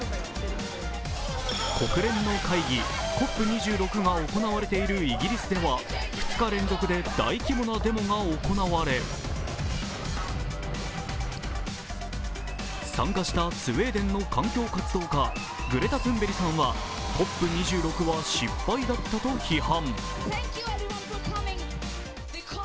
国連の会議、ＣＯＰ２６が行われているイギリスでは２日連続で大規模なデモが行われ参加したスウェーデンの環境活動家、グレタ・トゥンベリさんはＣＯＰ２６は失敗だったと批判。